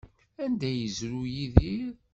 Anda ay yezrew Yidir?